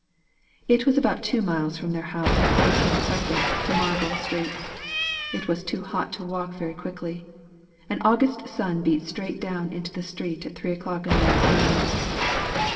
It was about two miles from their house in Crampton Crescent to Marlborough Street. It was too hot to walk very quickly. An August sun beat straight down into the street at three o'clock in the afternoon.